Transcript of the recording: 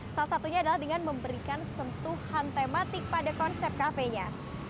salah satunya adalah dengan memberikan sentuhan tematik pada konsep kafenya